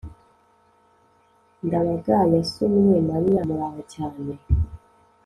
ndabaga yasomye mariya muraho cyane